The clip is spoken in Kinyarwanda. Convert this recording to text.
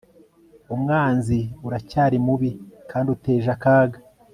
Umwanzi uracyari mubi kandi uteje akaga